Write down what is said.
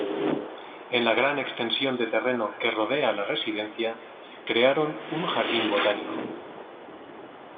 En la gran extensión de terreno que rodea la residencia crearon un jardín botánico.